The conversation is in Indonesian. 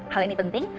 hal ini penting